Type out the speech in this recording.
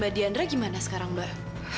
mbak diandra gimana sekarang mbak